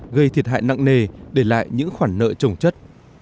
gây thiệt hại nặng nề để lại những khoản nợ trồng chất